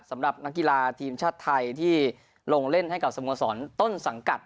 สำหรับนักกีฬาทีมชาติไทยที่ลงเล่นให้กับสโมสรต้นสังกัด